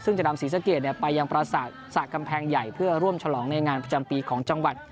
ซึ่งจะนำศรีสะเกดไปยังประกำแพงใหญ่เพื่อร่วมฉลองในงานประจำปีของจังหวัด